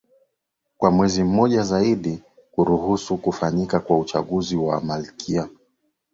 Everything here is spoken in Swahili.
kwa mwezi mmoja zaidi kuruhusu kufanyika kwa uchunguza wa malalamiko hayo